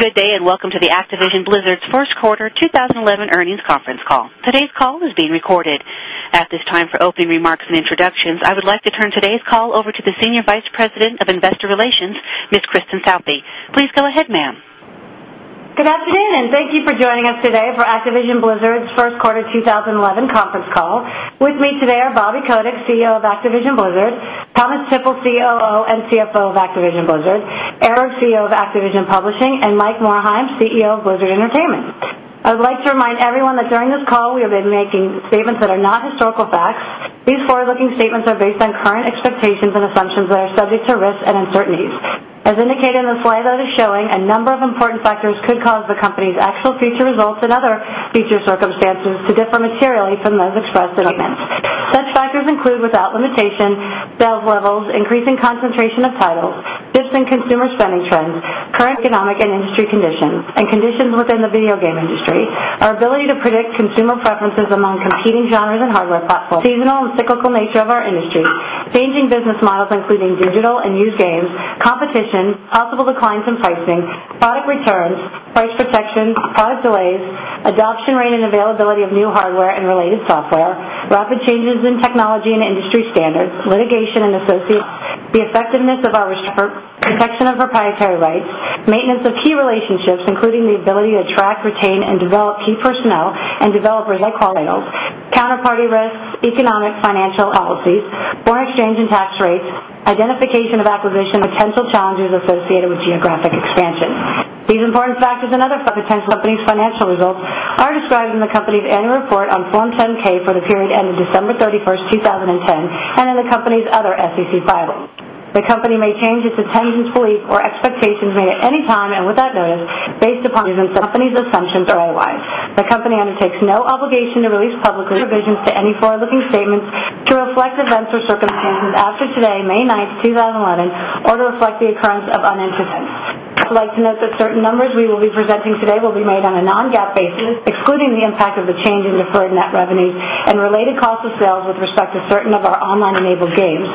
Good day and welcome to Activision Blizzard's First Quarter 2011 Earnings Conference Call. Today's call is being recorded. At this time, for opening remarks and introductions, I would like to turn today's call over to the Senior Vice President of Investor Relations, Ms. Kristen Southby. Please go ahead, ma'am. Good afternoon and thank you for joining us today for Activision Blizzard's First Quarter 2011 Earnings Conference Call. With me today are Bobby Kotick, CEO of Activision Blizzard; Thomas Tippl, COO and CFO of Activision Blizzard; Eric Hirshberg, CEO of Activision Publishing; and Mike Morhaime, CEO of Blizzard Entertainment. I would like to remind everyone that during this call, we will be making statements that are not historical facts. These forward-looking statements are based on current expectations and assumptions that are subject to risks and uncertainties. As indicated in the slide that is showing, a number of important factors could cause the company's actual future results and other future circumstances to differ materially from those expressed in a minute. Such factors include, without limitation, sales levels, increasing concentration of title, dips in consumer spending trends, current economic and industry conditions, and conditions within the video game industry, our ability to predict consumer preferences among competing genres and hardware platforms, seasonal and cyclical nature of our industry, changing business models including digital and new games, competition, possible declines in pricing, product returns, price defections, product delays, adoption rate and availability of new hardware and related software, rapid changes in technology and industry standards, litigation and associates, the effectiveness of our protection of proprietary rights, maintenance of key relationships, including the ability to attract, retain, and develop key personnel and developers that can create high-quality hit titles; counterparty risks, economic financial policies, foreign exchange and tax rates, identification of acquisition potential challenges associated with geographic expansion. These important factors and other potential companies' financial results are described in the company's annual report on Form 10-K for the period ending December 31st, 2010, and in the company's other SEC files. The company may change its attendance, belief, or expectations at any time and without notice based upon companies' assumptions or otherwise. The company undertakes no obligation to release publicly revisions to any forward-looking statements to reflect events or circumstances as of today, May 9th, 2011, or to reflect the occurrence of unanticipated events. I would like to note that certain numbers we will be presenting today will be made on a non-GAAP basis, including the impact of the change in deferred net revenue and related costs of sales with respect to certain of our online-enabled games,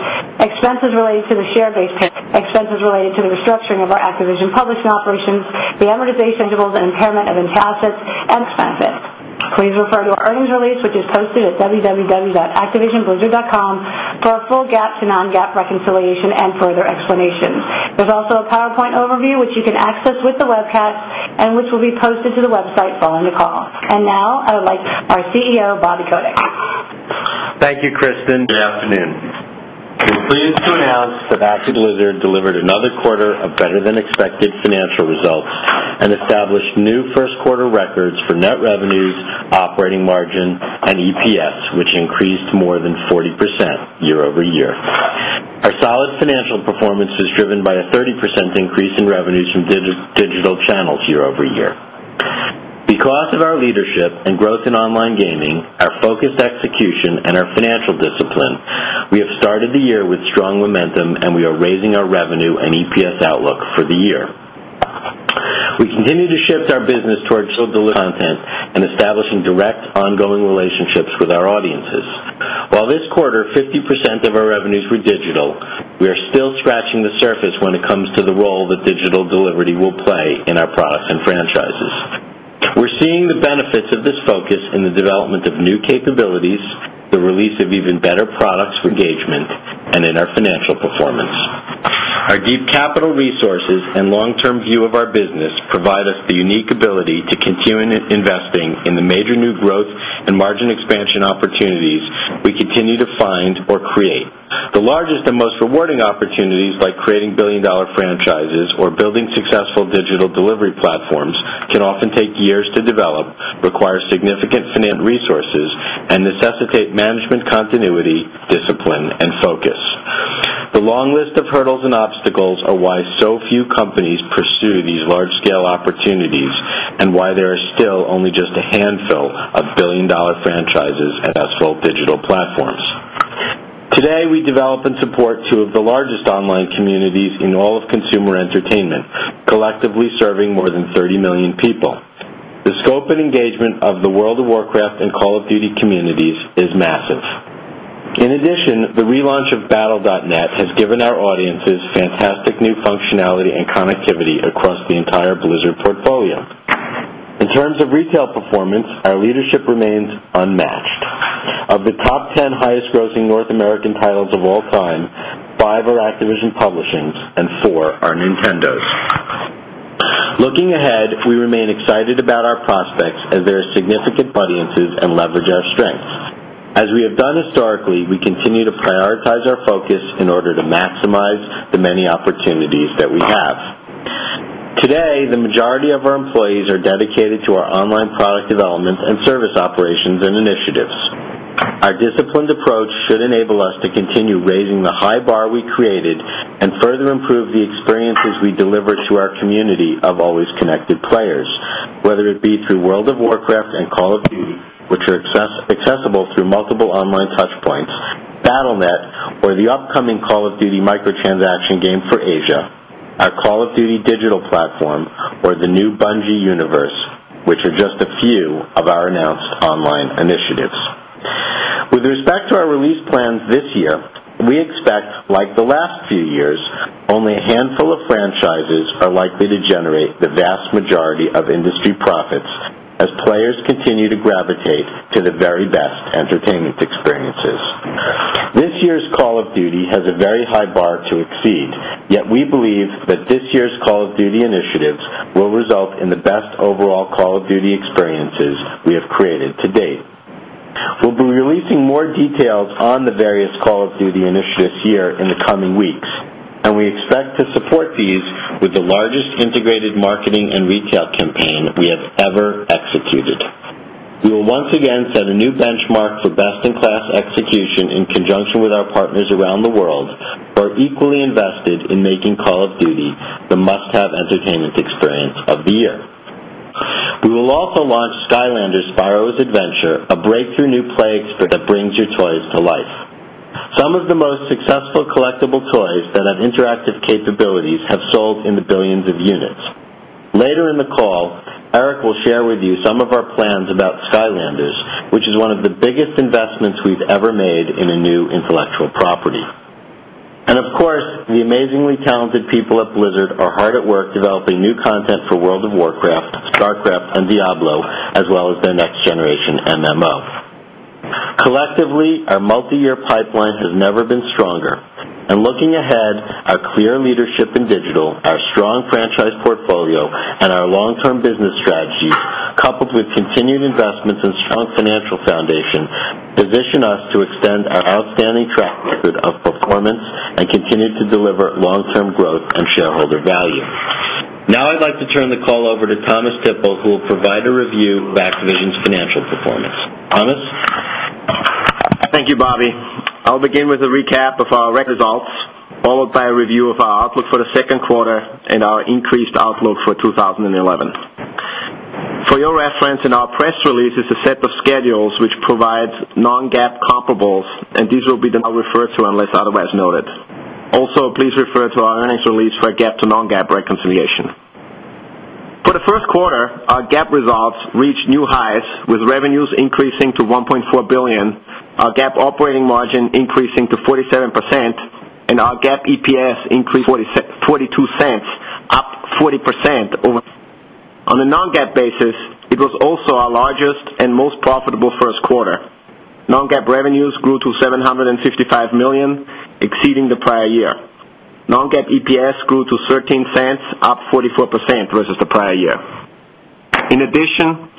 expenses related to the share-based expenses related to the restructuring of our Activision Publishing operation, the amortization intervals and impairment of intassets and spending benefits. Please refer to our earnings release, which is posted at www.activisionblizzard.com, for a full GAAP to non-GAAP reconciliation and further explanation. There is also a PowerPoint overview, which you can access with the webcast and which will be posted to the website following the call. Now, I would like our CEO, Bobby Kotick. Thank you, Kristen. Good afternoon. I'm pleased to announce that Activision Blizzard delivered another quarter of better-than-expected financial results and established new first quarter records for net revenues, operating margin, and EPS, which increased more than 40% year-over-year. Our solid financial performance is driven by a 30% increase in revenues from digital channels year-over-year. Because of our leadership and growth in online gaming, our focused execution, and our financial discipline, we have started the year with strong momentum, and we are raising our revenue and EPS outlook for the year. We continue to shift our business towards digital content and establishing direct ongoing relationships with our audiences. While this quarter, 50% of our revenues were digital, we are still scratching the surface when it comes to the role that digital delivery will play in our products and franchises. We're seeing the benefits of this focus in the development of new capabilities, the release of even better products for engagement, and in our financial performance. Our deep capital resources and long-term view of our business provide us the unique ability to continue investing in the major new growth and margin expansion opportunities we continue to find or create. The largest and most rewarding opportunities, like creating billion-dollar franchises or building successful digital delivery platforms, can often take years to develop, require significant financial resources, and necessitate management continuity, discipline, and focus. The long list of hurdles and obstacles are why so few companies pursue these large-scale opportunities and why there are still only just a handful of billion-dollar franchises and household digital platforms. Today, we develop and support two of the largest online communities in all of consumer entertainment, collectively serving more than 30 million people. The scope and engagement of the World of Warcraft and Call of Duty communities is massive. In addition, the relaunch of Battle.net has given our audiences fantastic new functionality and connectivity across the entire Blizzard portfolio. In terms of retail performance, our leadership remains unmatched. Of the top 10 highest-grossing North American titles of all time, five are Activision Publishing and four are Nintendo's. Looking ahead, we remain excited about our prospects as there are significant audiences and leverage our strengths. As we have done historically, we continue to prioritize our focus in order to maximize the many opportunities that we have. Today, the majority of our employees are dedicated to our online product development and service operations and initiatives. Our disciplined approach should enable us to continue raising the high bar we created and further improve the experiences we deliver to our community of always connected players, whether it be through World of Warcraft and Call of Duty, which are accessible through multiple online touchpoints, Battle.net, or the upcoming Call of Duty microtransaction game for Asia, our Call of Duty digital platform, or the new Bungie universe, which are just a few of our announced online initiatives. With respect to our release plans this year, we expect, like the last few years, only a handful of franchises are likely to generate the vast majority of industry profits as players continue to gravitate to the very best entertainment experiences. This year's Call of Duty has a very high bar to exceed, yet we believe that this year's Call of Duty initiatives will result in the best overall Call of Duty experiences we have created to date. We'll be releasing more details on the various Call of Duty initiatives here in the coming weeks, and we expect to support these with the largest integrated marketing and retail campaign we have ever executed. We will once again set a new benchmark for best-in-class execution in conjunction with our partners around the world who are equally invested in making Call of Duty the must-have entertainment experience of the year. We will also launch Skylanders: Spyro’s Adventure, a breakthrough new play experience that brings your toys to life. Some of the most successful collectible toys that have interactive capabilities have sold in the billions of units. Later in the call, Eric will share with you some of our plans about Skylanders, which is one of the biggest investments we've ever made in a new intellectual property. Of course, the amazingly talented people at Blizzard are hard at work developing new content for World of Warcraft, StarCraft, and Diablo, as well as their next-generation MMO. Collectively, our multi-year pipeline has never been stronger. Looking ahead, our clear leadership in digital, our strong franchise portfolio, and our long-term business strategy, coupled with continued investments and strong financial foundation, position us to extend our outstanding track record of performance and continue to deliver long-term growth and shareholder value. Now I'd like to turn the call over to Thomas Tippl, who will provide a review of Activision Blizzard's financial performance. Thomas? Thank you, Bobby. I'll begin with a recap of our results, followed by a review of our outlook for the second quarter and our increased outlook for 2011. For your reference, in our press release is a set of schedules which provides non-GAAP comparables, and these will be referred to unless otherwise noted. Also, please refer to our earnings release for a GAAP to non-GAAP reconciliation. For the first quarter, our GAAP results reached new highs, with revenues increasing to $1.4 billion, our GAAP operating margin increasing to 47%, and our GAAP EPS increased $0.42, up 40%. On a non-GAAP basis, it was also our largest and most profitable first quarter. Non-GAAP revenues grew to $755 million, exceeding the prior year. Non-GAAP EPS grew to $0.13, up 44% versus the prior year. In addition,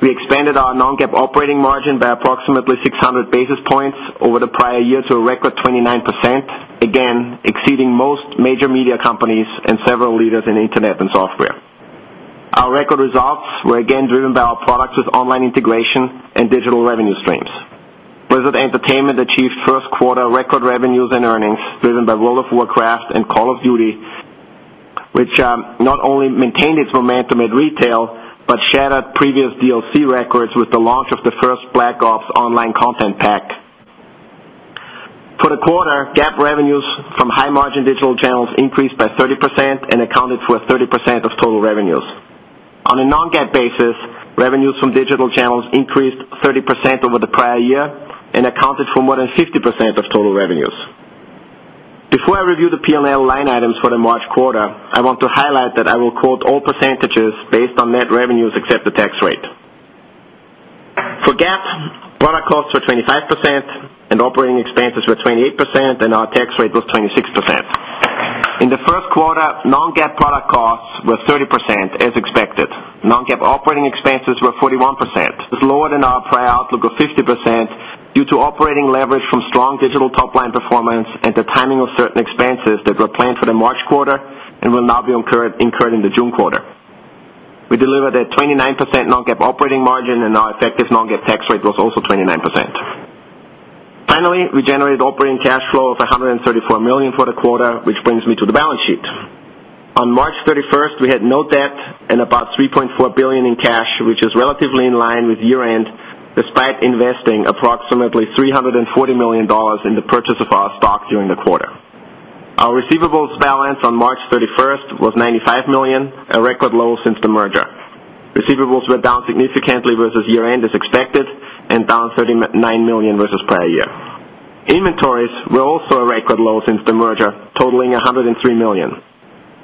we expanded our non-GAAP operating margin by approximately 600 basis points over the prior year to a record 29%, again exceeding most major media companies and several leaders in Internet and software. Our record results were again driven by our products with online integration and digital revenue streams. Blizzard Entertainment achieved first quarter record revenues and earnings driven by World of Warcraft and Call of Duty, which not only maintained its momentum at retail but shattered previous DLC records with the launch of the first Black Ops online content pack. For the quarter, GAAP revenues from high-margin digital channels increased by 30% and accounted for 30% of total revenues. On a non-GAAP basis, revenues from digital channels increased 30% over the prior year and accounted for more than 50% of total revenues. Before I review the P&L line items for the March quarter, I want to highlight that I will quote all percentages based on net revenues except the tax rate. For GAAP, product costs were 25% and operating expenses were 28%, and our tax rate was 26%. In the first quarter, non-GAAP product costs were 30% as expected. Non-GAAP operating expenses were 41%. It was lower than our prior outlook of 50% due to operating leverage from strong digital top-line performance and the timing of certain expenses that were planned for the March quarter and will now be incurred in the June quarter. We delivered a 29% non-GAAP operating margin, and our effective non-GAAP tax rate was also 29%. Finally, we generated operating cash flow of $134 million for the quarter, which brings me to the balance sheet. On March 31st, we had no debt and about $3.4 billion in cash, which is relatively in line with year-end, despite investing approximately $340 million in the purchase of our stock during the quarter. Our receivables balance on March 31st was $95 million, a record low since the merger. Receivables were down significantly versus year-end as expected and down $39 million versus prior year. Inventories were also a record low since the merger, totaling $103 million.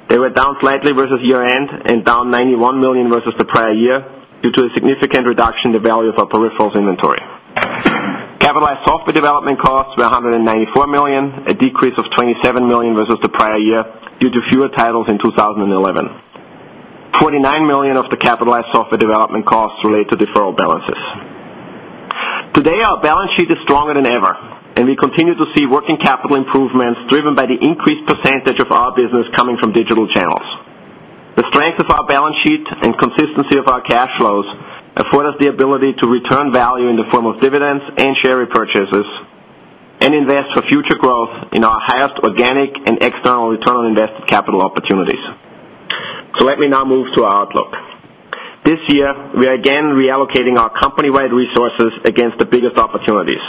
They were down slightly versus year-end and down $91 million versus the prior year due to a significant reduction in the value of our peripherals inventory. Capitalized software development costs were $194 million, a decrease of $27 million versus the prior year due to fewer titles in 2011. $49 million of the capitalized software development costs relate to deferral balances. Today, our balance sheet is stronger than ever, and we continue to see working capital improvements driven by the increased percentage of our business coming from digital channels. The strength of our balance sheet and consistency of our cash flows afford us the ability to return value in the form of dividends and share repurchases and invest for future growth in our highest organic and external return on invested capital opportunities. Let me now move to our outlook. This year, we are again reallocating our company-wide resources against the biggest opportunities.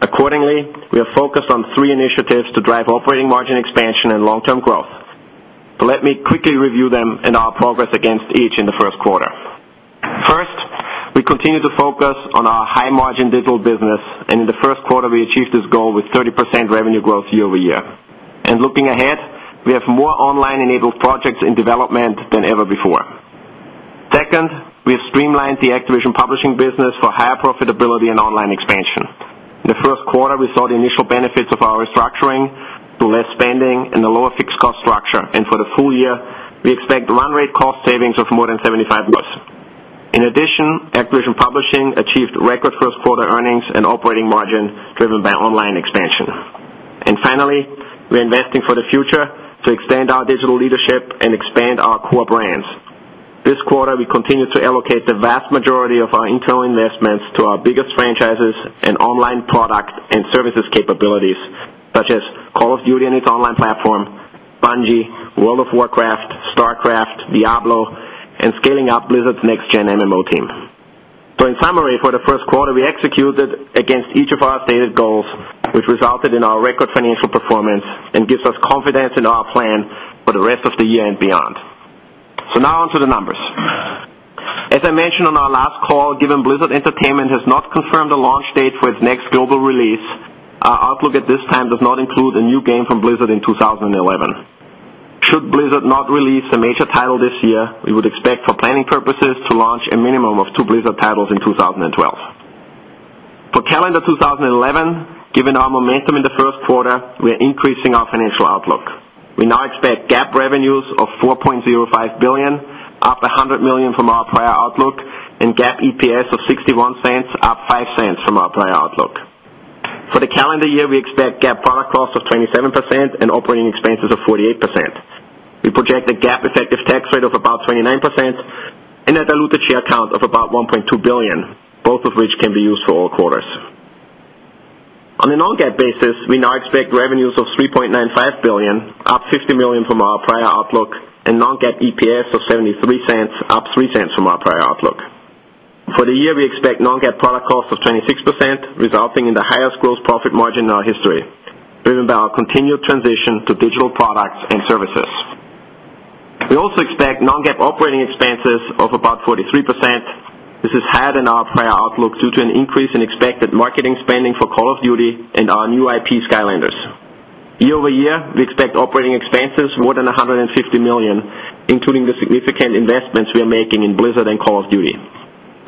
Accordingly, we are focused on three initiatives to drive operating margin expansion and long-term growth. Let me quickly review them and our progress against each in the first quarter. First, we continue to focus on our high-margin digital business, and in the first quarter, we achieved this goal with 30% revenue growth year-over-year. Looking ahead, we have more online-enabled projects in development than ever before. Second, we have streamlined the Activision Publishing business for higher profitability and online expansion. In the first quarter, we saw the initial benefits of our restructuring to less spending and a lower fixed-cost structure, and for the full year, we expect run-rate cost savings of more than 75%. In addition, Activision Publishing achieved record first-quarter earnings and operating margin driven by online expansion. Finally, we're investing for the future to extend our digital leadership and expand our core brands. This quarter, we continue to allocate the vast majority of our internal investments to our biggest franchises and online product and services capabilities, such as Call of Duty and its online platform, Bungie, World of Warcraft, StarCraft, Diablo, and scaling up Blizzard's next-gen MMO team. In summary, for the first quarter, we executed against each of our updated goals, which resulted in our record financial performance and gives us confidence in our plan for the rest of the year and beyond. Now onto the numbers. As I mentioned on our last call, given Blizzard Entertainment has not confirmed the launch date for its next global release, our outlook at this time does not include a new game from Blizzard in 2011. Should Blizzard not release a major title this year, we would expect for planning purposes to launch a minimum of two Blizzard titles in 2012. For calendar 2011, given our momentum in the first quarter, we are increasing our financial outlook. We now expect GAAP revenues of $4.05 billion, up $100 million from our prior outlook, and GAAP EPS of $0.61, up $0.05 from our prior outlook. For the calendar year, we expect GAAP product costs of 27% and operating expenses of 48%. We project a GAAP effective tax rate of about 29% and a diluted share count of about 1.2 billion, both of which can be used for all quarters. On a non-GAAP basis, we now expect revenues of $3.95 billion, up $50 million from our prior outlook, and non-GAAP EPS of $0.73, up $0.03 from our prior outlook. For the year, we expect non-GAAP product costs of 26%, resulting in the highest gross profit margin in our history, driven by our continued transition to digital products and services. We also expect non-GAAP operating expenses of about 43%. This is higher than our prior outlook due to an increase in expected marketing spending for Call of Duty and our new IP, Skylanders. Year-over-year, we expect operating expenses more than $150 million, including the significant investments we are making in Blizzard and Call of Duty.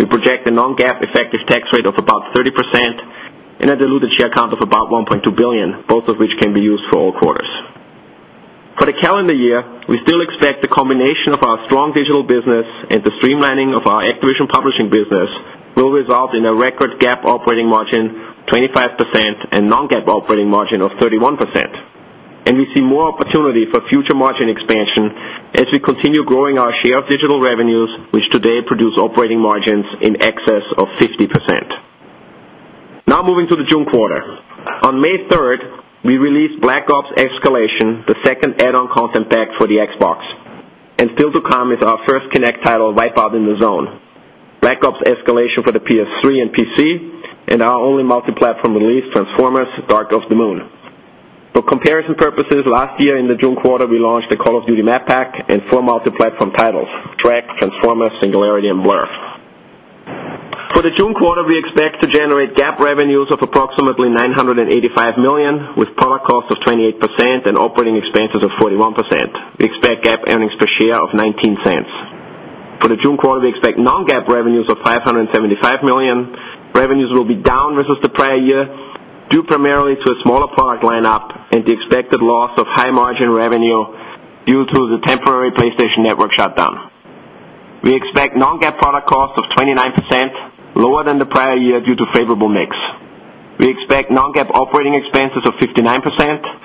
We project a non-GAAP effective tax rate of about 30% and a diluted share count of about 1.2 billion, both of which can be used for all quarters. For the calendar year, we still expect the combination of our strong digital business and the streamlining of our Activision Publishing business will result in a record GAAP operating margin of 25% and non-GAAP operating margin of 31%. We see more opportunity for future margin expansion as we continue growing our share of digital revenues, which today produce operating margins in excess of 50%. Now moving to the June quarter. On May 3, we released Call of Duty: Black Ops: Escalation, the second add-on content pack for the Xbox, and still to come is our first Kinect title, Wipeout in the Zone, Call of Duty: Black Ops: Escalation for the PS3 and PC, and our only multi-platform release, Transformers: Dark of the Moon. For comparison purposes, last year in the June quarter, we launched the Call of Duty map pack and four multi-platform titles: Shrek, Transformers, Singularity, and Wolf. For the June quarter, we expect to generate GAAP revenues of approximately $985 million, with product costs of 28% and operating expenses of 41%. We expect GAAP earnings per share of $0.19. For the June quarter, we expect non-GAAP revenues of $575 million. Revenues will be down versus the prior year, due primarily to a smaller product lineup and the expected loss of high margin revenue due to the temporary PlayStation Network shutdown. We expect non-GAAP product costs of 29%, lower than the prior year due to favorable mix. We expect non-GAAP operating expenses of 59%,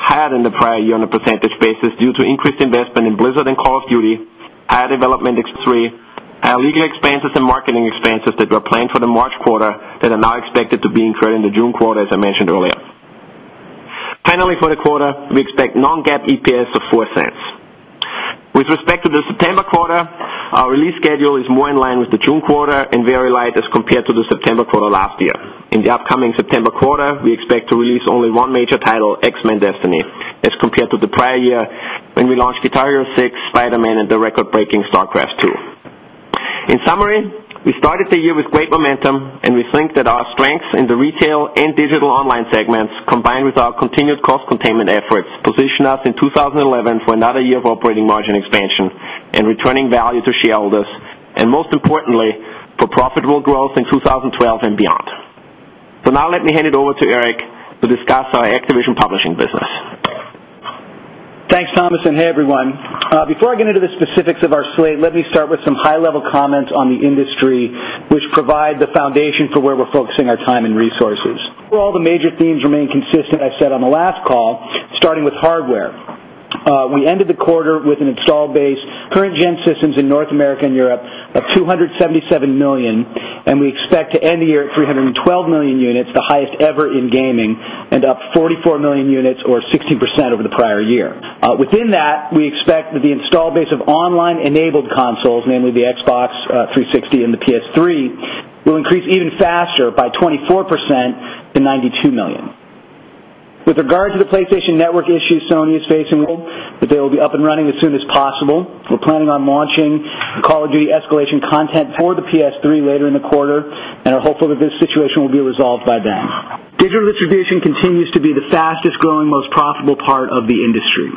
higher than the prior year on a percentage basis due to increased investment in Blizzard and Call of Duty, higher development expenses, higher legal expenses, and marketing expenses that were planned for the March quarter that are now expected to be incurred in the June quarter, as I mentioned earlier. Finally, for the quarter, we expect non-GAAP EPS of $0.04. With respect to the September quarter, our release schedule is more in line with the June quarter and very light as compared to the September quarter last year. In the upcoming September quarter, we expect to release only one major title, X-Men: Destiny, as compared to the prior year when we launched Guitar Hero 6, Spider-Man, and the record-breaking StarCraft II. In summary, we started the year with great momentum, and we think that our strengths in the retail and digital online segments, combined with our continued cost containment efforts, position us in 2011 for another year of operating margin expansion and returning value to shareholders, and most importantly, for profitable growth in 2012 and beyond. Let me hand it over to Eric to discuss our Activision Publishing business. Thanks, Thomas, and hey, everyone. Before I get into the specifics of our slate, let me start with some high-level comments on the industry, which provide the foundation for where we're focusing our time and resources. Overall, the major themes remain consistent, as I said on the last call, starting with hardware. We ended the quarter with an installed base of current-gen systems in North America and Europe of 277 million, and we expect to end the year at 312 million units, the highest ever in gaming, and up 44 million units, or 16% over the prior year. Within that, we expect that the installed base of online-enabled consoles, namely the Xbox 360 and the PS3, will increase even faster by 24% to 92 million. With regard to the PlayStation network issues Sony is facing, we hope that they will be up and running as soon as possible. We're planning on launching Call of Duty: Excalation content for the PS3 later in the quarter and are hopeful that this situation will be resolved by then. Digital distribution continues to be the fastest growing, most profitable part of the industry.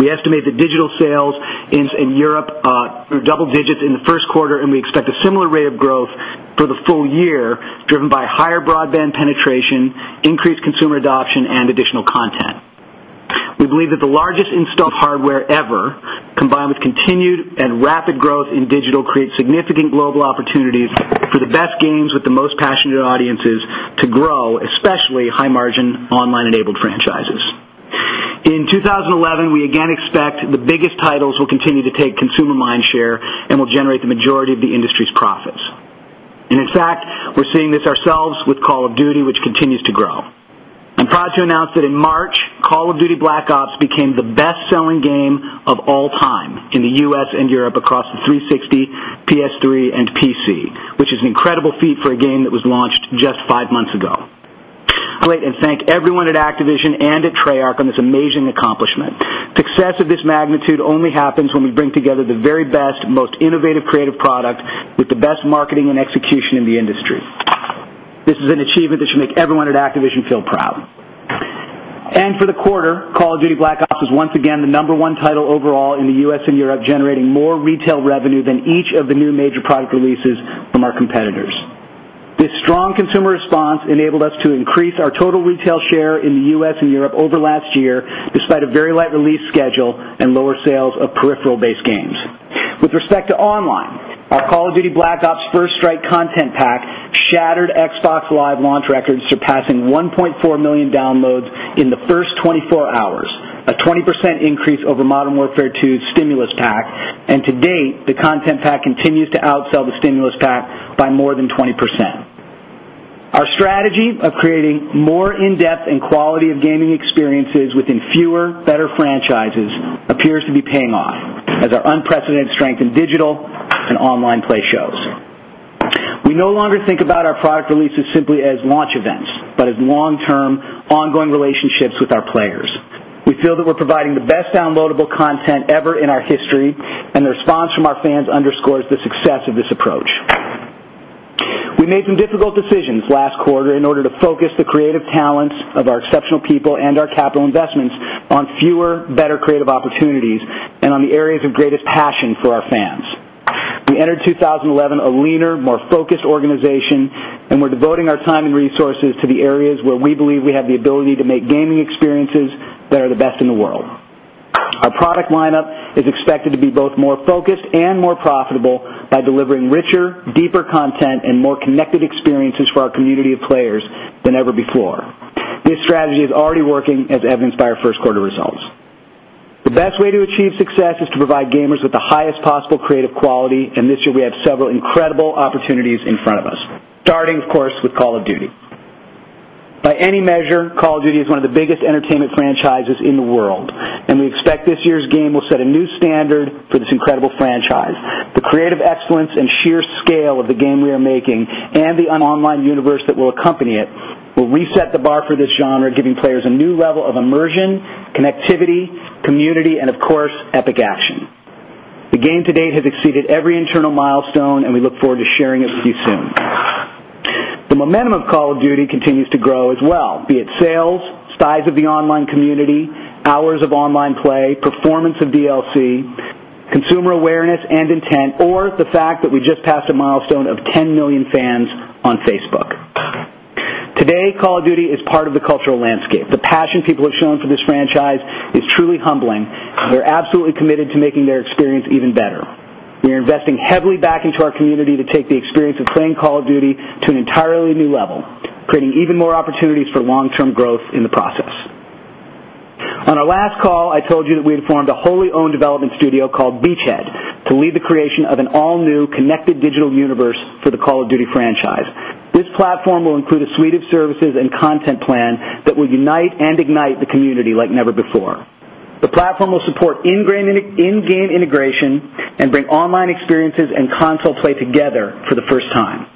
We estimate that digital sales in Europe are double digits in the first quarter, and we expect a similar rate of growth for the full year, driven by higher broadband penetration, increased consumer adoption, and additional content. We believe that the largest installed hardware ever, combined with continued and rapid growth in digital, creates significant global opportunities for the best games with the most passionate audiences to grow, especially high-margin online-enabled franchises. In 2011, we again expect the biggest titles will continue to take consumer mindshare and will generate the majority of the industry's profits. In fact, we're seeing this ourselves with Call of Duty, which continues to grow. I'm proud to announce that in March, Call of Duty: Black Ops became the best-selling game of all time in the U.S. and Europe across the 360, PS3, and PC, which is an incredible feat for a game that was launched just five months ago. I'd like to thank everyone at Activision and at Treyarch on this amazing accomplishment. Success of this magnitude only happens when we bring together the very best, most innovative creative product with the best marketing and execution in the industry. This is an achievement that should make everyone at Activision feel proud. For the quarter, Call of Duty: Black Ops was once again the number one title overall in the U.S. and Europe, generating more retail revenue than each of the new major product releases from our competitors. This strong consumer response enabled us to increase our total retail share in the U.S. and Europe over last year, despite a very light release schedule and lower sales of peripheral-based games. With respect to online, our Call of Duty: Black Ops First Strike content pack shattered Xbox Live launch records, surpassing 1.4 million downloads in the first 24 hours, a 20% increase over Modern Warfare II's Stimulus Pack. To date, the content pack continues to outsell the Stimulus Pack by more than 20%. Our strategy of creating more in-depth and quality gaming experiences within fewer, better franchises appears to be paying off as our unprecedented strength in digital and online play shows. We no longer think about our product releases simply as launch events, but as long-term, ongoing relationships with our players. We feel that we're providing the best downloadable content ever in our history, and the response from our fans underscores the success of this approach. We made some difficult decisions last quarter in order to focus the creative talents of our exceptional people and our capital investments on fewer, better creative opportunities and on the areas of greatest passion for our fans. We entered 2011 a leaner, more focused organization, and we're devoting our time and resources to the areas where we believe we have the ability to make gaming experiences that are the best in the world. Our product lineup is expected to be both more focused and more profitable by delivering richer, deeper content and more connected experiences for our community of players than ever before. This strategy is already working, as evidenced by our first quarter results. The best way to achieve success is to provide gamers with the highest possible creative quality, and this year we have several incredible opportunities in front of us, starting, of course, with Call of Duty. By any measure, Call of Duty is one of the biggest entertainment franchises in the world, and we expect this year's game will set a new standard for this incredible franchise. The creative excellence and sheer scale of the game we are making and the online universe that will accompany it will reset the bar for this genre, giving players a new level of immersion, connectivity, community, and, of course, epic action. The game to date has exceeded every internal milestone, and we look forward to sharing it with you soon. The momentum of Call of Duty continues to grow as well, be it sales, size of the online community, hours of online play, performance of DLC, consumer awareness and intent, or the fact that we just passed a milestone of 10 million fans on Facebook. Today, Call of Duty is part of the cultural landscape. The passion people have shown for this franchise is truly humbling. They're absolutely committed to making their experience even better. We are investing heavily back into our community to take the experience of playing Call of Duty to an entirely new level, creating even more opportunities for long-term growth in the process. On our last call, I told you that we formed a wholly owned development studio called Beachhead studio to lead the creation of an all-new connected digital universe for the Call of Duty franchise. This platform will include a suite of services and content plan that will unite and ignite the community like never before. The platform will support in-game integration and bring online experiences and console play together for the first time.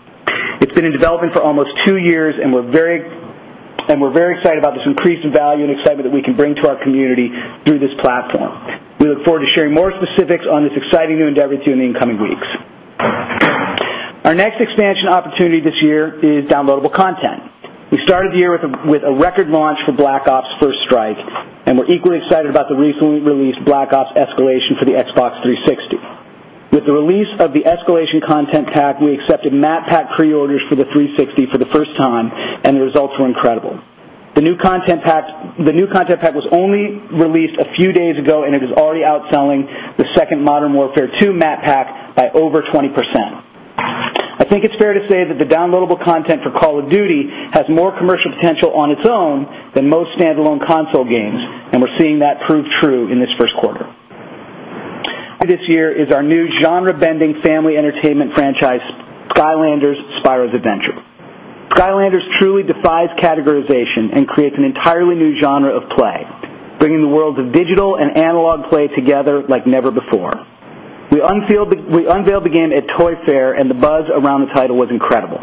It's been in development for almost two years, and we're very excited about this increase in value and excitement that we can bring to our community through this platform. We look forward to sharing more specifics on this exciting new endeavor with you in the incoming weeks. Our next expansion opportunity this year is downloadable content. We started the year with a record launch for Black Ops: First Strike, and we're equally excited about the recently released Black Ops: Escalation for the Xbox 360. With the release of the Escalation content pack, we accepted map pack pre-orders for the 360 for the first time, and the results were incredible. The new content pack was only released a few days ago, and it is already outselling the second Modern Warfare II map pack by over 20%. I think it's fair to say that the downloadable content for Call of Duty has more commercial potential on its own than most standalone console games, and we're seeing that prove true in this first quarter. This year is our new genre-bending family entertainment franchise, Skylanders: Spyro’s Adventure. Skylanders truly defies categorization and creates an entirely new genre of play, bringing the worlds of digital and analog play together like never before. We unveiled the game at Toy Fair, and the buzz around the title was incredible.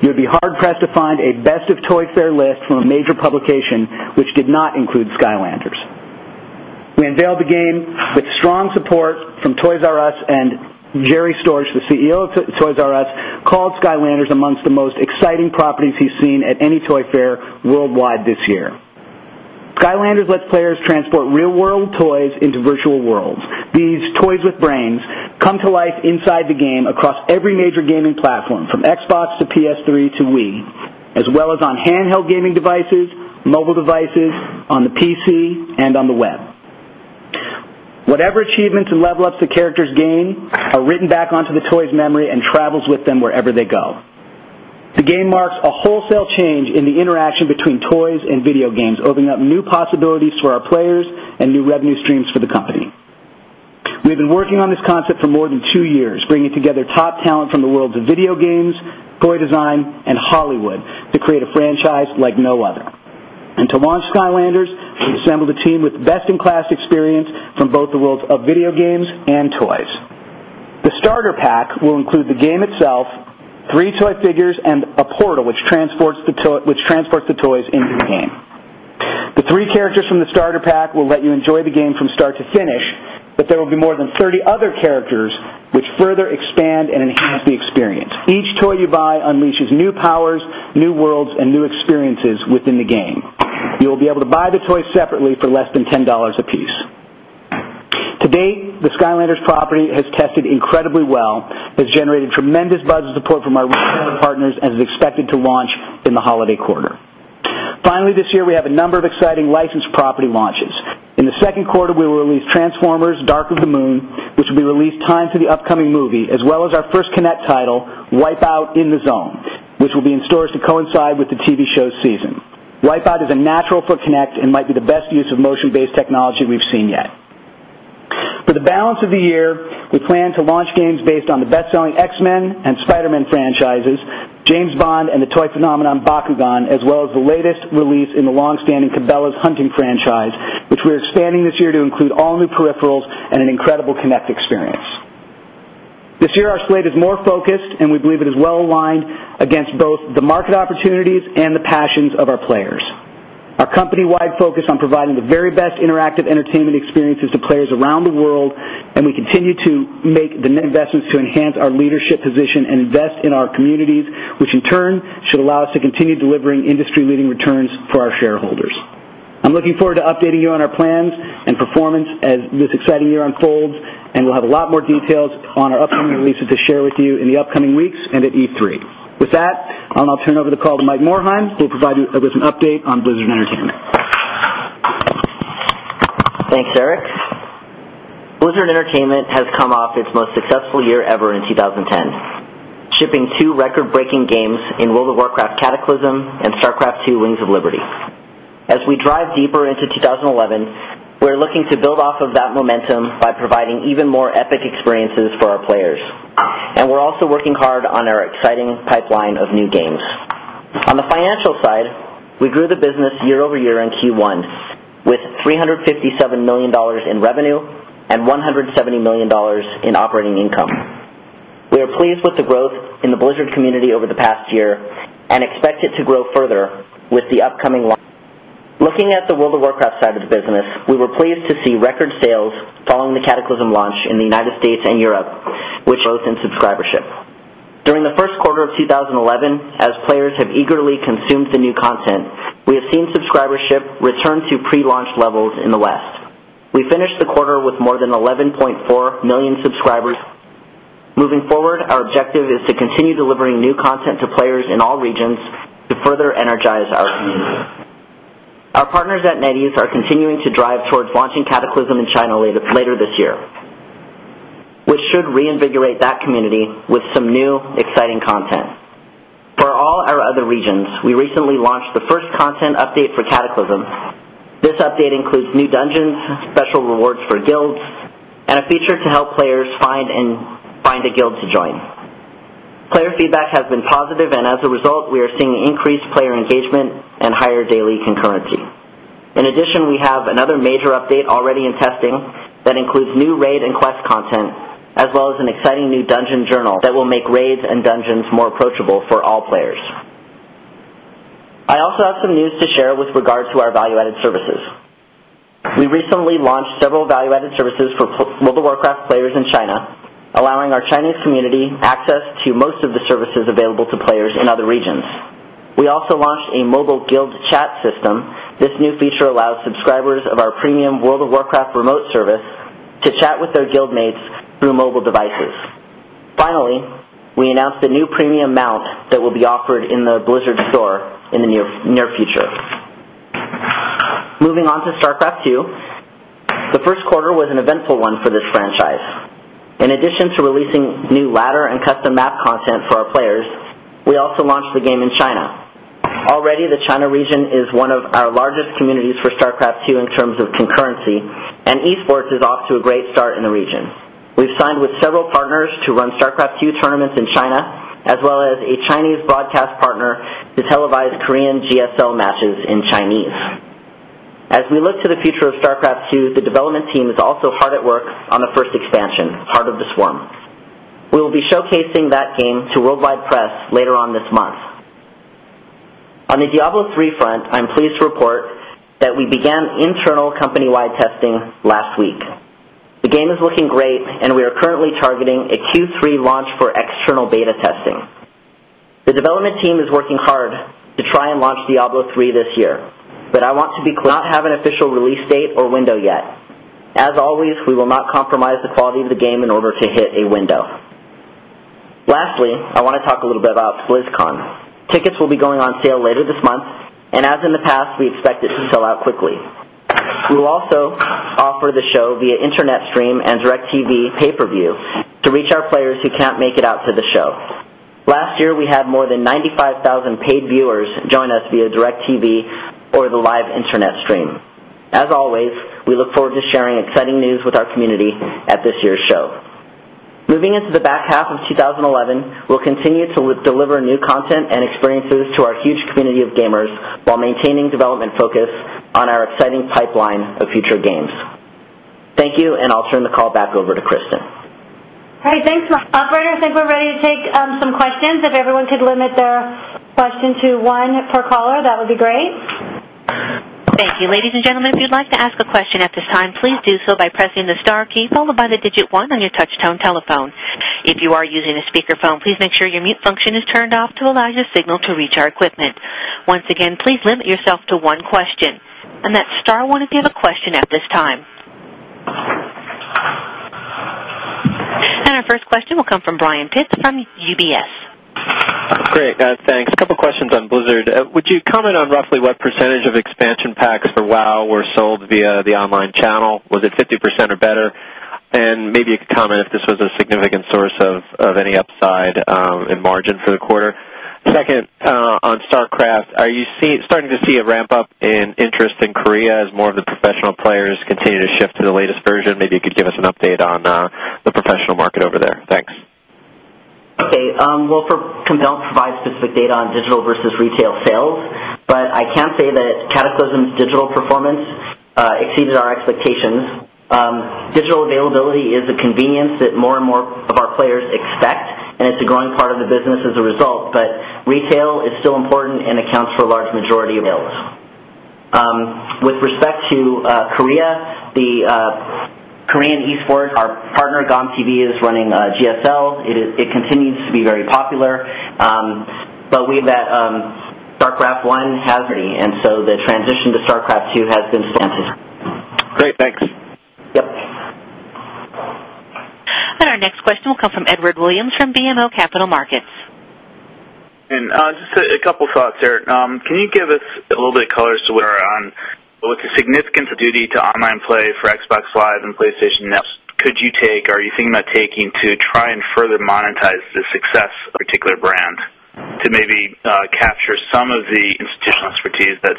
You would be hard-pressed to find a best-of-Toy Fair list from a major publication which did not include Skylanders. We unveiled the game, with strong support from Toys "R" Us, and Jerry Storch, the CEO of Toys "R" Us, called Skylanders among the most exciting properties he's seen at any Toy Fair worldwide this year. Skylanders lets players transport real-world toys into virtual worlds. These toys with brains come to life inside the game across every major gaming platform, from Xbox to PS3 to Wii, as well as on handheld gaming devices, mobile devices, on the PC, and on the web. Whatever achievements and level ups the characters gain are written back onto the toys' memory and travel with them wherever they go. The game marks a wholesale change in the interaction between toys and video games, opening up new possibilities for our players and new revenue streams for the company. We've been working on this concept for more than two years, bringing together top talent from the worlds of video games, toy design, and Hollywood to create a franchise like no other. To launch Skylanders, we've assembled a team with best-in-class experience from both the worlds of video games and toys. The starter pack will include the game itself, three toy figures, and a portal which transports the toys into the game. The three characters from the starter pack will let you enjoy the game from start to finish, but there will be more than 30 other characters which further expand and enhance the experience. Each toy you buy unleashes new powers, new worlds, and new experiences within the game. You will be able to buy the toys separately for less than $10 apiece. To date, the Skylanders property has tested incredibly well, has generated tremendous buzz and support from our partners, and is expected to launch in the holiday quarter. Finally, this year we have a number of exciting licensed property launches. In the second quarter, we will release Transformers: Dark of the Moon, which will be released tied to the upcoming movie, as well as our first Kinect title, Wipeout in the Zone, which will be in stores to coincide with the TV show's season. Wipeout is a natural for Kinect and might be the best use of motion-based technology we've seen yet. For the balance of the year, we plan to launch games based on the best-selling X-Men and Spider-Man franchises, James Bond, and the toy phenomenon Bakugan, as well as the latest release in the long-standing Cabela's Hunting franchise, which we are expanding this year to include all new peripherals and an incredible Kinect experience. This year, our slate is more focused, and we believe it is well-aligned against both the market opportunities and the passions of our players. Our company-wide focus is on providing the very best interactive entertainment experiences to players around the world, and we continue to make the investments to enhance our leadership position and invest in our communities, which in turn should allow us to continue delivering industry-leading returns for our shareholders. I'm looking forward to updating you on our plans and performance as this exciting year unfolds, and we'll have a lot more details on our upcoming releases to share with you in the upcoming weeks and at E3. With that, I'll now turn over the call to Mike Morhaime to provide you with an update on Blizzard Entertainment. Thanks, Eric. Blizzard Entertainment has come off its most successful year ever in 2010, shipping two record-breaking games in World of Warcraft: Cataclysm and StarCraft II: Wings of Liberty. As we dive deeper into 2011, we're looking to build off of that momentum by providing even more epic experiences for our players, and we're also working hard on our exciting pipeline of new games. On the financial side, we grew the business year-over-year in Q1 with $357 million in revenue and $170 million in operating income. We are pleased with the growth in the Blizzard community over the past year and expect it to grow further with the upcoming launch. Looking at the World of Warcraft side of the business, we were pleased to see record sales following the Cataclysm launch in the United States and Europe, which rose in subscribership. During the first quarter of 2011, as players have eagerly consumed the new content, we have seen subscribership return to pre-launch levels in the West. We finished the quarter with more than 11.4 million subscribers. Moving forward, our objective is to continue delivering new content to players in all regions to further energize our community. Our partners at Netease are continuing to drive toward launching Cataclysm in China later this year, which should reinvigorate that community with some new, exciting content. For all our other regions, we recently launched the first content update for Cataclysm. This update includes new dungeons, special rewards for guilds, and a feature to help players find a guild to join. Player feedback has been positive, and as a result, we are seeing increased player engagement and higher daily concurrency. In addition, we have another major update already in testing that includes new raid and quest content, as well as an exciting new dungeon journal that will make raids and dungeons more approachable for all players. I also have some news to share with regard to our value-added services. We recently launched several value-added services for World of Warcraft players in China, allowing our Chinese community access to most of the services available to players in other regions. We also launched a mobile guild chat system. This new feature allows subscribers of our premium World of Warcraft remote server to chat with their guildmates through mobile devices. Finally, we announced the new premium mount that will be offered in the Blizzard store in the near future. Moving on to StarCraft II, the first quarter was an eventful one for this franchise. In addition to releasing new ladder and custom map content for our players, we also launched the game in China. Already, the China region is one of our largest communities for StarCraft II in terms of concurrency, and eSports is off to a great start in the region. We've signed with several partners to run StarCraft II tournaments in China, as well as a Chinese broadcast partner to televise Korean GSL matches in Chinese. As we look to the future of StarCraft II, the development team is also hard at work on the first expansion, Heart of the Swarm. We will be showcasing that game to worldwide press later on this month. On the Diablo III front, I'm pleased to report that we began internal company-wide testing last week. The game is looking great, and we are currently targeting a Q3 launch for external beta testing. The development team is working hard to try and launch Diablo III this year, but I want to be clear, we do not have an official release date or window yet. As always, we will not compromise the quality of the game in order to hit a window. Lastly, I want to talk a little bit about BlizzCon. Tickets will be going on sale later this month, and as in the past, we expect it to sell out quickly. We will also offer the show via Internet stream and DirecTV pay-per-view to reach our players who can't make it out to the show. Last year, we had more than 95,000 paid viewers join us via DirecTV or the live Internet stream. As always, we look forward to sharing exciting news with our community at this year's show. Moving into the back half of 2011, we'll continue to deliver new content and experiences to our huge community of gamers while maintaining development focus on our exciting pipeline of future games. Thank you, and I'll turn the call back over to Kristen. Hey, thanks, operator. I think we're ready to take some questions. If everyone could limit their question to one per caller, that would be great. Thank you. Ladies and gentlemen, if you'd like to ask a question at this time, please do so by pressing the Star key followed by the digit one on your touch-tone telephone. If you are using a speakerphone, please make sure your mute function is turned off to allow your signal to reach our equipment. Once again, please limit yourself to one question, and that's star one if you have a question at this time. Our first question will come from Brian Thompson from UBS. Great, thanks. A couple of questions on Blizzard. Would you comment on roughly what percentage of expansion packs for World of Warcraft were sold via the online channel? Was it 50% or better? Maybe you could comment if this was a significant source of any upside in margin for the quarter. Second, on StarCraft, are you starting to see a ramp-up in interest in Korea as more of the professional players continue to shift to the latest version? Maybe you could give us an update on the professional market over there. Thanks. Okay, I don't provide specific data on digital versus retail sales, but I can say that Cataclysm's digital performance exceeded our expectations. Digital availability is a convenience that more and more of our players expect, and it's a growing part of the business as a result, but retail is still important and accounts for a large majority of availability. With respect to Korea, the Korean eSport, our partner GOMTV is running GSL. It continues to be very popular, but we've had StarCraft I hasn't been, and so the transition to StarCraft II has been expensive. Great, thanks. Our next question will come from Edward Williams from BMO Capital Markets. Just a couple of thoughts here. Can you give us a little bit of color as to what the significance of Call of Duty to online play for Xbox Live and PlayStation is? Could you take, or are you thinking about taking, steps to try and further monetize the success of a particular brand to maybe capture some of the institutional expertise that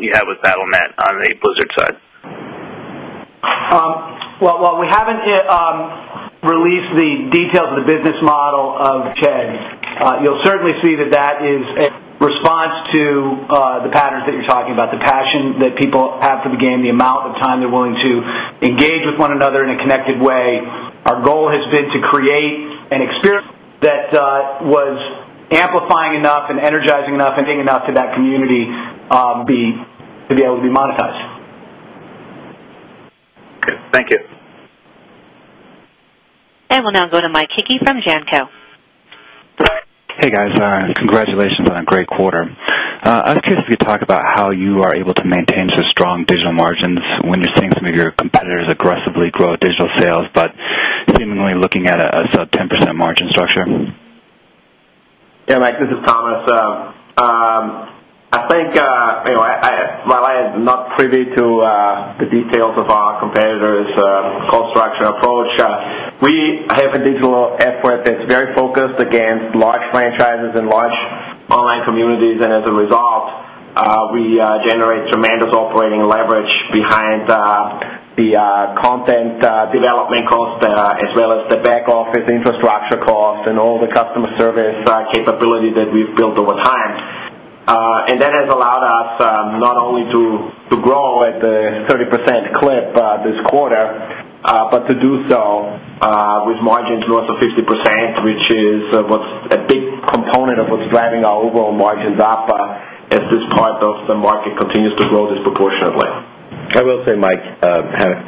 you have with Battle.net on the Blizzard side? While we haven't released the details of the business model of Ted, you'll certainly see that that is a response to the patterns that you're talking about, the passion that people have for the game, the amount of time they're willing to engage with one another in a connected way. Our goal has been to create an experience that was amplifying enough and energizing enough and connecting enough to that community to be able to be monetized. Thank you. Okay, we'll now go to Mike Hickey from Janco. Hey, guys. Congratulations on a great quarter. I'm curious if you could talk about how you are able to maintain such strong digital margins when you're seeing some of your competitors aggressively grow digital sales, but seemingly looking at a sub-10% margin structure. Yeah, Mike, this is Thomas. I think, you know, while I am not privy to the details of our competitors' cost structure approach, we have a digital effort that's very focused against large franchises and large online communities, and as a result, we generate tremendous operating leverage behind the content development costs, as well as the back office infrastructure cost and all the customer service capability that we've built over time. That has allowed us not only to grow at the 30% clip this quarter, but to do so with margins north of 50%, which is a big component of what's driving our overall margins up as this part of the market continues to grow disproportionately. I will say, Mike,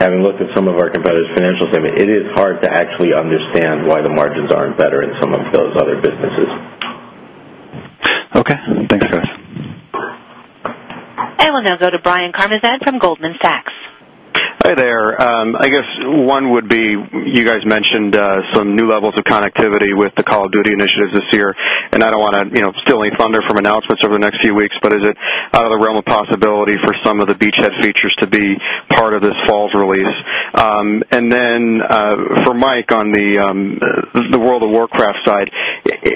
having looked at some of our competitors' financials, it is hard to actually understand why the margins aren't better in some of those other businesses. Okay, thanks, guys. Okay, we'll now go to Brian Nowak from Goldman Sachs. Hey there. I guess one would be, you guys mentioned some new levels of connectivity with the Call of Duty initiatives this year. I don't want to steal any thunder from announcements over the next few weeks, but is it out of the realm of possibility for some of the Beachhead features to be part of this fall's release? For Mike on the World of Warcraft side,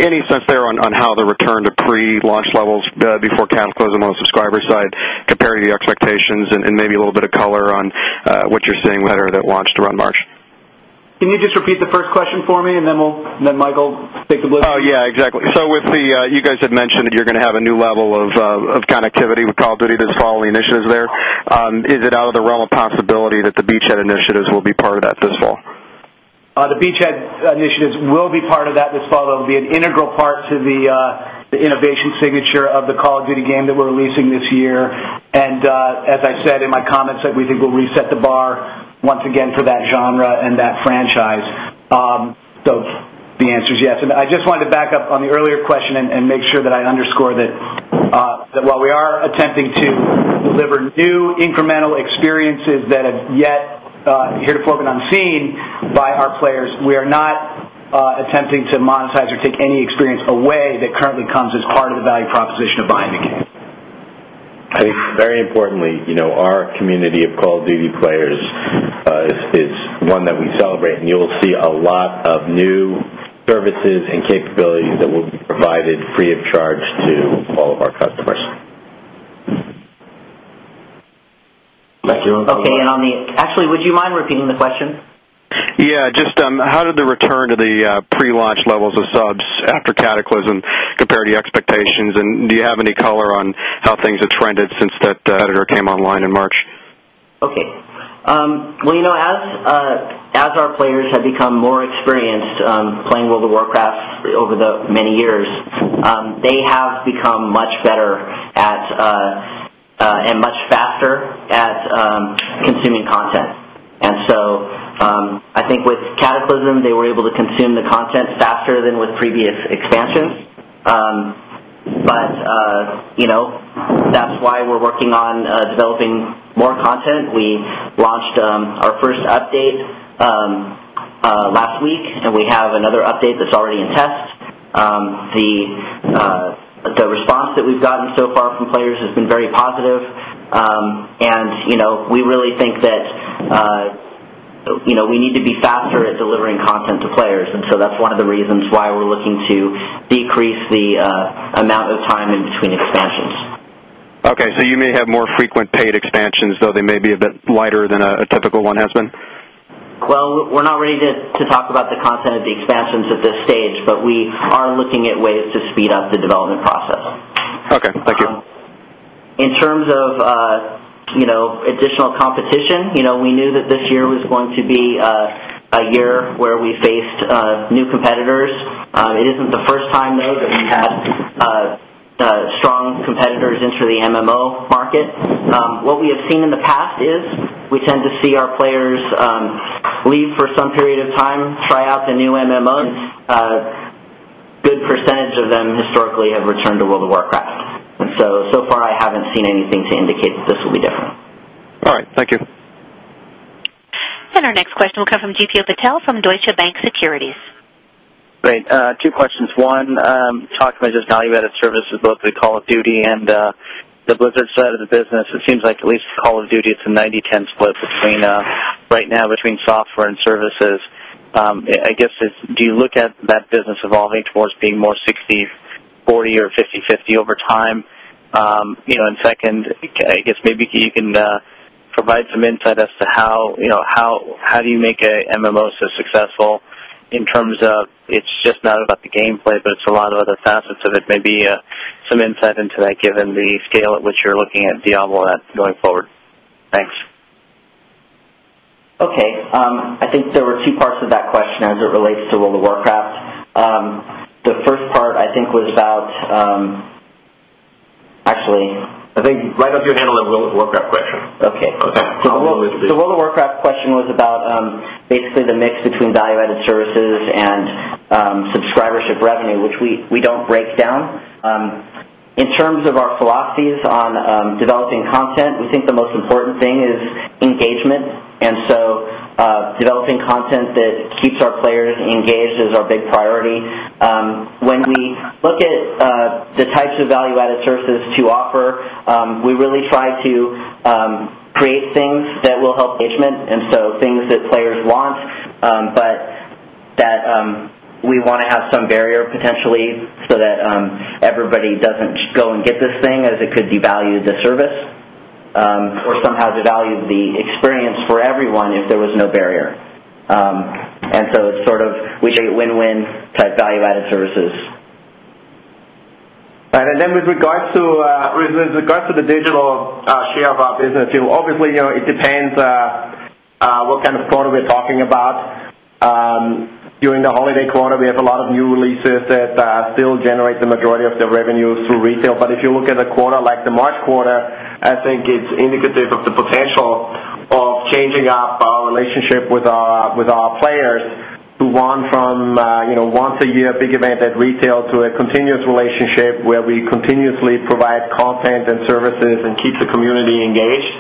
any sense there on how the return to pre-launch levels before Cataclysm on the subscriber side compared to the expectations and maybe a little bit of color on what you're seeing that launched around March? Can you just repeat the first question for me, and then Michael, take the floor? Yeah, exactly. With the, you guys had mentioned that you're going to have a new level of connectivity with Call of Duty this fall and the initiatives there. Is it out of the realm of possibility that the Beachhead initiatives will be part of that this fall? The Beachhead initiatives will be part of that this fall. That will be an integral part to the innovation signature of the Call of Duty game that we're releasing this year. As I said in my comments, we think we'll reset the bar once again for that genre and that franchise. The answer is yes. I just wanted to back up on the earlier question and make sure that I underscore that while we are attempting to deliver new incremental experiences that have yet to be here, to prove it unseen by our players, we are not attempting to monetize or take any experience away that currently comes as part of the value proposition of buying the game. I think very importantly, you know, our community of Call of Duty players is one that we celebrate, and you'll see a lot of new services and capabilities that will be provided free of charge to all of our customers. Okay, would you mind repeating the question? Yeah, just how did the return to the pre-launch levels of subs after Cataclysm compare to your expectations, and do you have any color on how things have trended since that editor came online in March? As our players have become more experienced playing World of Warcraft over the many years, they have become much better and much faster at consuming content. I think with Cataclysm, they were able to consume the content faster than with previous expansions. That's why we're working on developing more content. We launched our first update last week, and we have another update that's already in test. The response that we've gotten so far from players has been very positive, and we really think that we need to be faster at delivering content to players, and that's one of the reasons why we're looking to decrease the amount of time in between expansions. Okay, so you may have more frequent paid expansions, though they may be a bit lighter than a typical one has been? We're not ready to talk about the content of the expansions at this stage, but we are looking at ways to speed up the development process. Okay, thank you. In terms of additional competition, we knew that this year was going to be a year where we faced new competitors. It isn't the first time, though, that we've had strong competitors enter the MMO market. What we have seen in the past is we tend to see our players leave for some period of time, try out the new MMO. A good percentage of them historically have returned to World of Warcraft. So far, I haven't seen anything to indicate that this will be different. All right, thank you. Our next question will come from GPO Patel from Deutsche Bank Securities. Great. Two questions. One, talking about just value-added services, both the Call of Duty and the Blizzard side of the business, it seems like at least Call of Duty, it's a 90/10 split right now between software and services. Do you look at that business evolving towards being more 60/40 or 50/50 over time? Second, maybe you can provide some insight as to how you make an MMO so successful in terms of it's just not about the gameplay, but it's a lot of other facets of it. Maybe some insight into that given the scale at which you're looking at Diablo at going forward. Thanks. Okay, I think there were two parts of that question as it relates to World of Warcraft. The first part I think was about, actually. I think, why don't you handle the World of Warcraft question? Okay, so the World of Warcraft question was about basically the mix between value-added services and subscribership revenue, which we don't break down. In terms of our philosophies on developing content, we think the most important thing is engagement, and developing content that keeps our players engaged is our big priority. When we look at the types of value-added services to offer, we really try to create things that will help engagement, things that players want, but that we want to have some barrier potentially so that everybody doesn't go and get this thing as it could devalue the service or somehow devalue the experience for everyone if there was no barrier. We think win-win type value-added services. Right, and then with regards to the digital sphere of our business, obviously, it depends what kind of quarter we're talking about. During the holiday quarter, we have a lot of new releases that still generate the majority of the revenues through retail, but if you look at a quarter like the March quarter, I think it's indicative of the potential of changing up our relationship with our players to one from, you know, once a year big event at retail to a continuous relationship where we continuously provide content and services and keep the community engaged.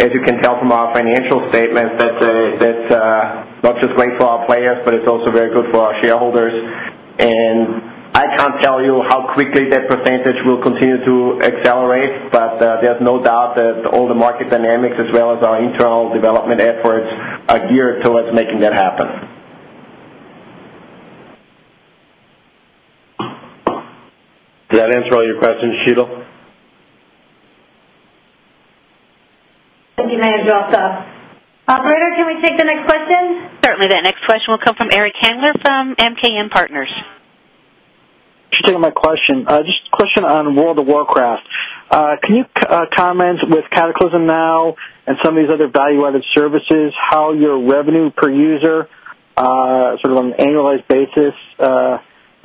As you can tell from our financial statements, that's not just great for our players, but it's also very good for our shareholders. I can't tell you how quickly that percentage will continue to accelerate, but there's no doubt that all the market dynamics, as well as our internal development efforts, are geared towards making that happen. Did that answer all your questions, Sheila? Thank you, Manager also. Operator, can we take the next question? Certainly, that next question will come from Eric Handler from MKM Partners. Just taking my question, just a question on World of Warcraft. Can you comment with Cataclysm now and some of these other value-added services how your revenue per user sort of on an annualized basis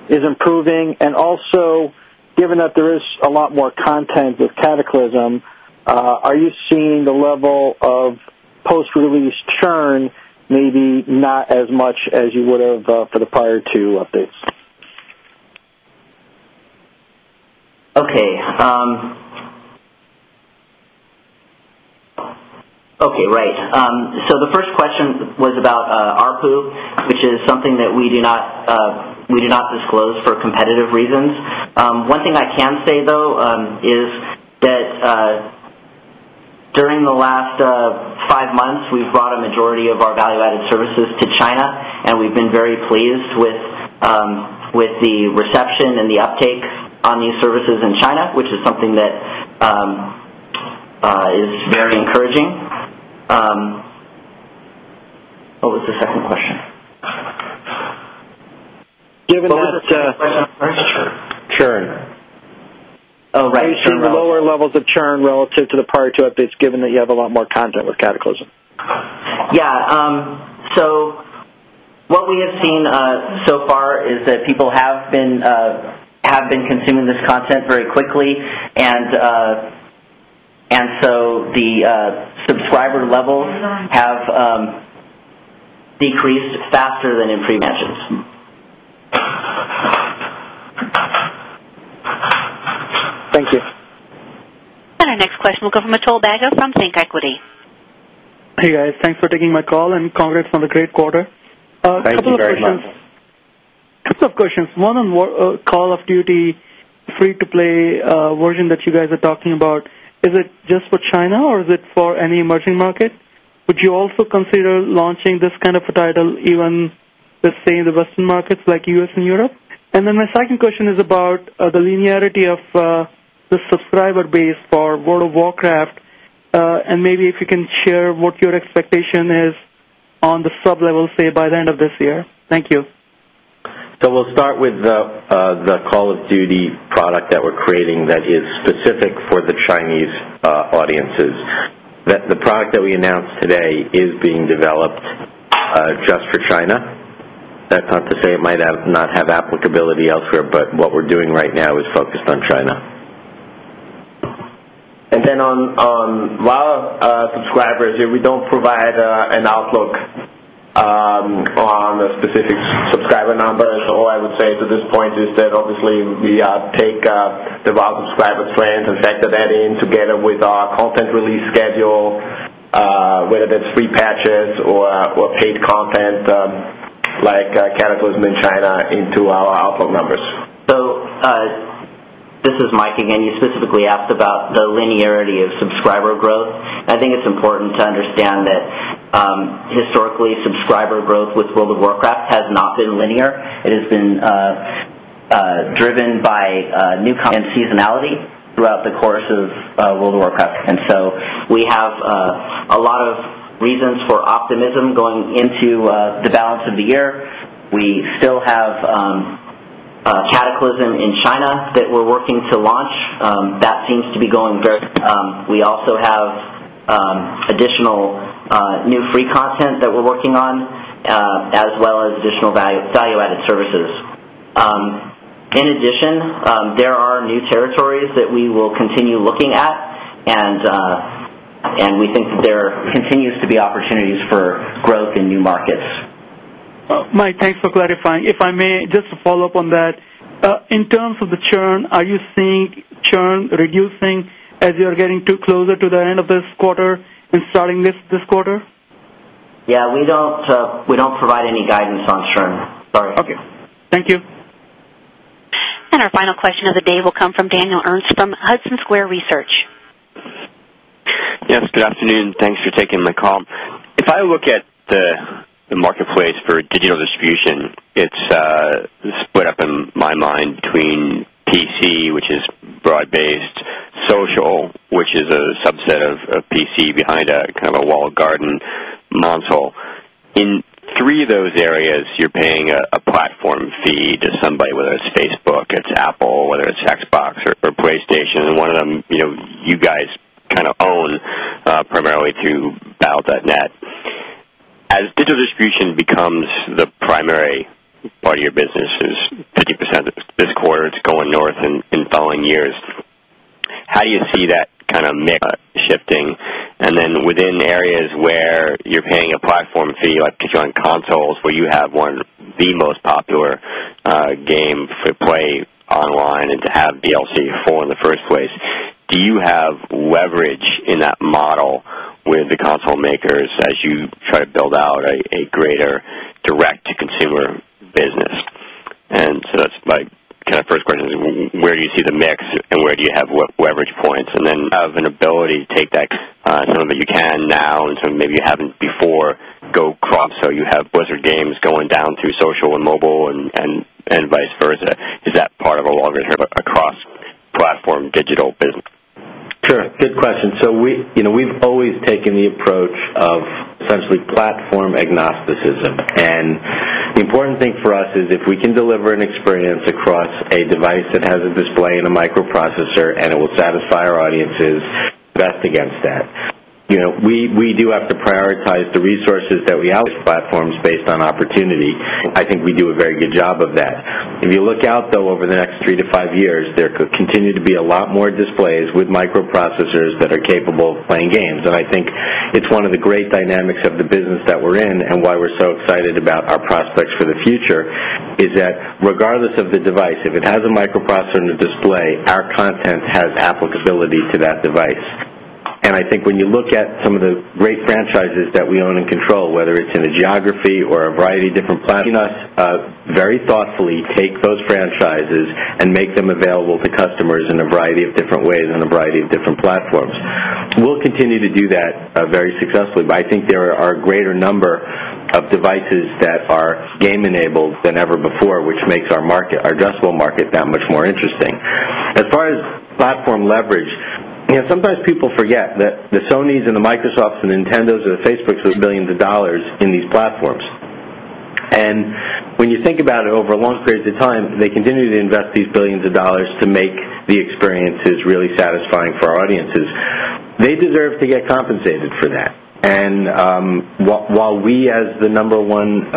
is improving? Also, given that there is a lot more content with Cataclysm, are you seeing the level of post-release churn maybe not as much as you would have for the prior two updates? Okay, right. The first question was about ARPU, which is something that we do not disclose for competitive reasons. One thing I can say, though, is that during the last five months, we've brought a majority of our value-added services to China, and we've been very pleased with the reception and the uptake on these services in China, which is something that is very encouraging. What was the second question? Given that the first churn. Oh, right. Are you seeing lower levels of churn relative to the prior two updates, given that you have a lot more content with Cataclysm? Yeah, what we have seen so far is that people have been consuming this content very quickly, and the subscriber levels have decreased faster than it pre-imagined. Thank you. Our next question will go from Atul Agga from Think Equity. Hey, guys. Thanks for taking my call, and congrats on the great quarter. A couple of questions. One on Call of Duty free-to-play version that you guys are talking about. Is it just for China, or is it for any emerging market? Would you also consider launching this kind of a title even with, say, the Western markets like U.S. and Europe? My second question is about the linearity of the subscriber base for World of Warcraft, and maybe if you can share what your expectation is on the sub-level, say, by the end of this year. Thank you. We will start with the Call of Duty product that we're creating that is specific for the Chinese audiences. The product that we announced today is being developed just for China. That's not to say it might not have applicability elsewhere, but what we're doing right now is focused on China. On WoW subscribers, we don't provide an outlook on specific subscriber numbers. All I would say to this point is that obviously we take the WoW subscriber trends and factor that in together with our content release schedule, whether that's free patches or paid content like Cataclysm in China, into our outlook numbers. This is Mike again. You specifically asked about the linearity of subscriber growth. I think it's important to understand that historically, subscriber growth with World of Warcraft has not been linear. It has been driven by new and seasonality throughout the course of World of Warcraft. We have a lot of reasons for optimism going into the balance of the year. We still have Cataclysm in China that we're working to launch. That seems to be going very well. We also have additional new free content that we're working on, as well as additional value-added services. In addition, there are new territories that we will continue looking at, and we think that there continues to be opportunities for growth in new markets. Mike, thanks for clarifying. If I may, just to follow up on that, in terms of the churn, are you seeing churn reducing as you are getting closer to the end of this quarter and starting this quarter? Yeah, we don't provide any guidance on churn. Sorry. Okay, thank you. Our final question of the day will come from Daniel Ernst from Hudson Square Research. Yes, good afternoon. Thanks for taking my call. If I look at the marketplace for digital distribution, it's split up in my mind between PC, which is broad-based, social, which is a subset of PC behind a kind of a walled garden, console. In three of those areas, you're paying a platform fee to somebody, whether it's Facebook, it's Apple, whether it's Xbox or PlayStation, and one of them, you know, you guys kind of own primarily through Battle.net. As digital distribution becomes the primary part of your business, 50% of this quarter is going north in the following years, how do you see that kind of mix shifting? Within areas where you're paying a platform fee, like particularly on consoles, where you have one of the most popular games for play online and to have DLC-4 in the first place, do you have leverage in that model with the console makers as you try to build out a greater direct-to-consumer business? That's my kind of first question, is where do you see the mix and where do you have leverage points? Then have an ability to take that, knowing that you can now and so maybe you haven't before, go cross so you have Blizzard games going down through social and mobile and vice versa. Is that part of a longer term across platform digital business? Sure, good question. We have always taken the approach of essentially platform agnosticism. The important thing for us is if we can deliver an experience across a device that has a display and a microprocessor and it will satisfy our audiences, we're best against that. We do have to prioritize the resources that we outsource to platforms based on opportunity. I think we do a very good job of that. If you look out, though, over the next three to five years, there could continue to be a lot more displays with microprocessors that are capable of playing games. I think it's one of the great dynamics of the business that we're in and why we're so excited about our prospects for the future is that regardless of the device, if it has a microprocessor and a display, our content has applicability to that device. I think when you look at some of the great franchises that we own and control, whether it's in a geography or a variety of different platforms, we very thoughtfully take those franchises and make them available to customers in a variety of different ways and a variety of different platforms. We'll continue to do that very successfully, but I think there are a greater number of devices that are game-enabled than ever before, which makes our market, our addressable market, that much more interesting. As far as platform leverage, sometimes people forget that the Sonys, the Microsofts, the Nintendos, and the Facebooks are billions of dollars in these platforms. When you think about it over long periods of time, they continue to invest these billions of dollars to make the experiences really satisfying for our audiences. They deserve to get compensated for that. While we, as the number one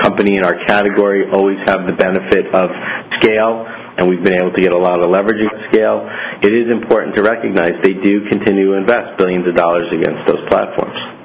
company in our category, always have the benefit of scale, and we've been able to get a lot of the leverage of scale, it is important to recognize they do continue to invest billions of dollars against those platforms.